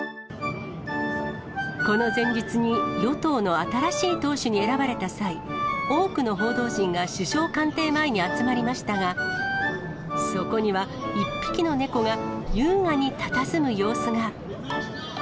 この前日に与党の新しい党首に選ばれた際、多くの報道陣が首相官邸前に集まりましたが、そこには１匹の猫が優雅にたたずむ様子が。